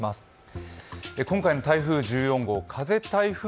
今回の台風１４号、風